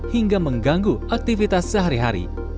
hingga mengganggu aktivitas sehari hari